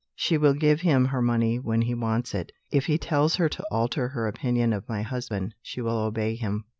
She will give him her money when he wants it. If he tells her to alter her opinion of my husband, she will obey him.